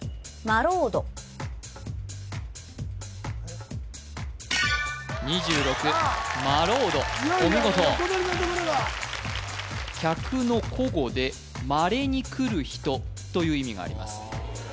まろうどお見事客の古語で「まれに来る人」という意味があります